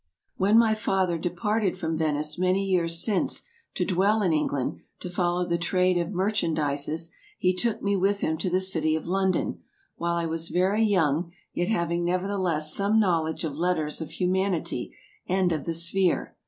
When my father departed from Venice many yeeres since to dwell in England, to follow the trade of marchandises, hee tooke mee with him to the citie of London, while I was very yong, yet hauing neuerthelesse some knowledge of letters of humanitie, and of the Sphere.